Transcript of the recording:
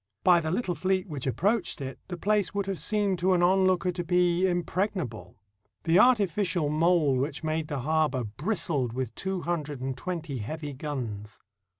By the little fleet which approached it, the place would have seemed to an onlooker to be impregnable. The artificial mole which made the harbor bristled with two hundred and twenty heavy guns.